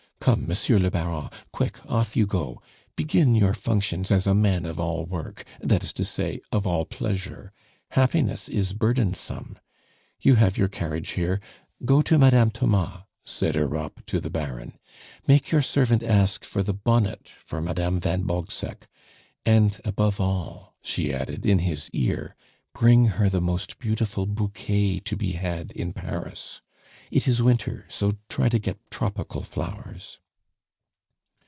Come, Monsieur le Baron; quick, off you go! Begin your functions as a man of all work that is to say, of all pleasure! Happiness is burdensome. You have your carriage here, go to Madame Thomas," said Europe to the Baron. "Make your servant ask for the bonnet for Madame van Bogseck. And, above all," she added in his ear, "bring her the most beautiful bouquet to be had in Paris. It is winter, so try to get tropical flowers."